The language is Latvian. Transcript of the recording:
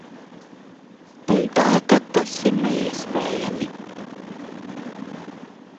Un tātad tas ir neiespējami.